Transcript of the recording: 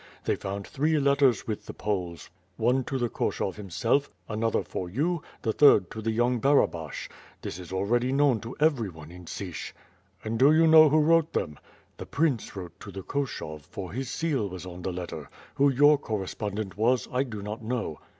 They found three letters with the Poles, one to the Koshov himself, another for you, the third to the young Barabash. That is already known' to everyone in Sich." "And do you know who wrote them?" "The prince wrote to the Koshov, for his seal was on the letter. Who your correspondent was, I do not know."